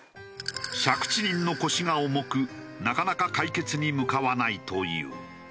借地人の腰が重くなかなか解決に向かわないという。